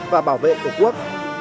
và bảo vệ tổ quốc